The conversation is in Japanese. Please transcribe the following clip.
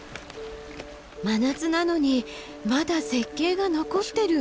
真夏なのにまだ雪渓が残ってる。